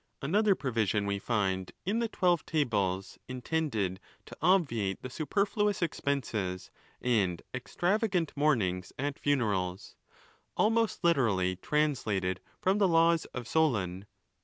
Another provision we find in the Twelve Tables intended to obviate the superfluous expenses and extravagant mournings at funerals, almost literally translated from the laws of Solon.